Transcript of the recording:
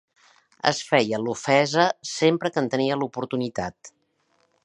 Es feia l'ofesa sempre que en tenia l'oportunitat.